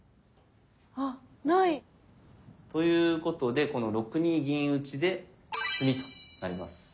あっということでこの６二銀打で詰みとなります。